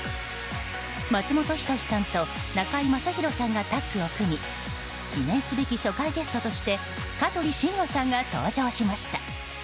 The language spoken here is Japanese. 松本人志さんと中居正広さんがタッグを組み記念すべき初回ゲストとして香取慎吾さんが登場しました。